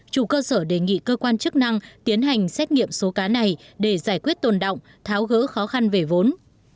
chủ cơ sở đề nghị cơ quan chức năng tiến hành xét nghiệm số cá này để giải quyết tồn động tháo gỡ khó khăn về vốn